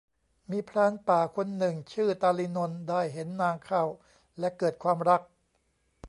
มีพรานป่าคนหนึ่งชื่อตาลีนนท์ ได้เห็นนางเข้าและเกิดความรัก